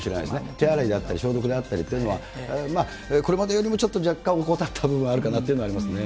手洗いだったり、消毒であったりというのは、これまでよりもちょっと若干怠った部分あるかなと思いますね。